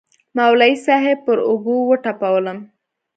مولوي صاحب پر اوږه وټپولوم.